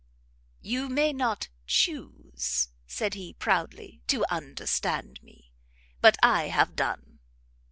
"You may not chuse," said he, proudly, "to understand me; but I have done.